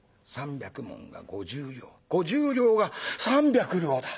３百文が５０両５０両が３百両だ。